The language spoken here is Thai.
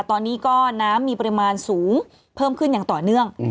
ตอนนี้ก็น้ำมีปริมาณสูงเพิ่มขึ้นอย่างต่อเนื่อง